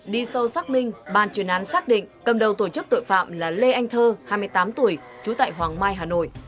đi sâu xác minh bàn chuyên án xác định cầm đầu tổ chức tội phạm là lê anh thơ hai mươi tám tuổi trú tại hoàng mai hà nội